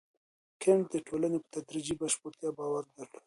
کنت د ټولنو په تدريجي بشپړتيا باور درلود.